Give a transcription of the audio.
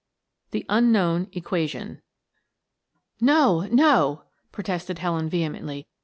THE UNKNOWN EQUATION "No, no," protested Helen vehemently.